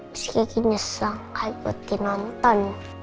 miss gigi nyesel kali buat dinonton